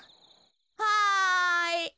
はい。